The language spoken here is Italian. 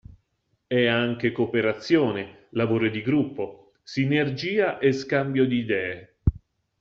È anche cooperazione, lavoro di gruppo, sinergia e scambio di idee.